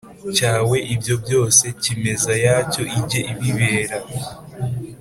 cyawe Ibyo byose cyimeza yacyo ijye ibibera